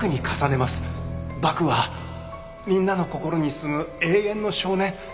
バクはみんなの心にすむ永遠の少年。